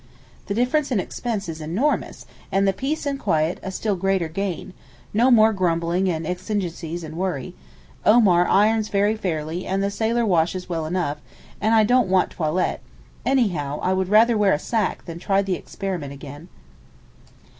The difference in expense is enormous, and the peace and quiet a still greater gain; no more grumbling and 'exigencies' and worry; Omar irons very fairly, and the sailor washes well enough, and I don't want toilette—anyhow, I would rather wear a sack than try the experiment again.